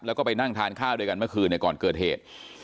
แล้วก็ไปนั่งทานข้าวด้วยกันเมื่อคืนก่อนเกิดเหตุ